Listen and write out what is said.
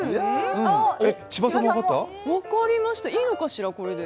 いいのかしら、これで。